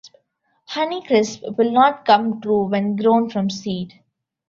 Honeycrisp will not come true when grown from seed.